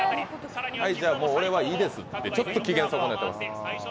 じゃ、もう俺はいいですとちょっと機嫌損ねてます。